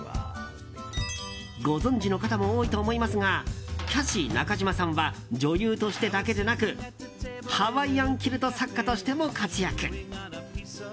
ご存じの方も多いと思いますがキャシー中島さんは女優としてだけでなくハワイアンキルト作家としても活躍。